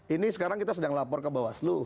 ini sekarang kita sedang lapor ke bawah seluruh